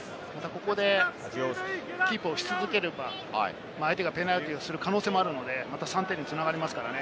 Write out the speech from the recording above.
ここでキープをし続けるか、相手がペナルティーをする可能性もあるので、また３点に繋がりますからね。